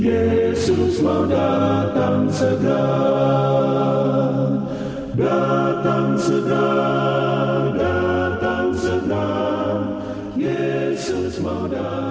yesus mau datang sekarang